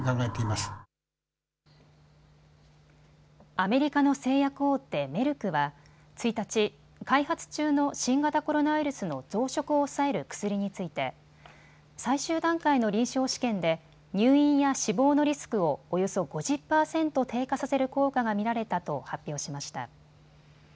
アメリカの製薬大手、メルクは１日、開発中の新型コロナウイルスの増殖を抑える薬について最終段階の臨床試験で入院や死亡のリスクをおよそ５０％低下させる効果が見られたと発表しました。